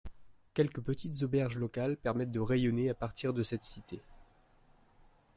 Quelques petites auberges locales permettent de rayonner à partir de cette cité.